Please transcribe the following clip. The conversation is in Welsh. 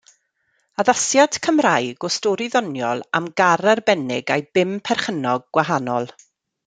Addasiad Cymraeg o stori ddoniol am gar arbennig a'i bum perchennog gwahanol.